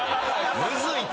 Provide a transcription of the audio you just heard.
むずいて！